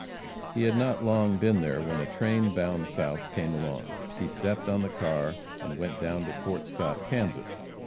He had not long been there when a train bound south came along. He stepped on the car and went down to Fort Scott, Kansas.